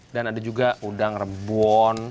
dan ada juga udang rebon